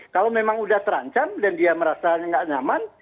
kalau memang sudah terancam dan dia merasa nggak nyaman